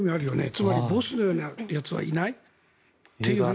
つまり、ボスのようなやつはいないという話。